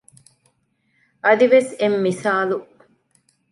އަދިވެސް އެއް މިސާލު